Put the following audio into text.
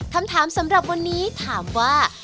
คำถามสำหรับวันนี้ถามว่า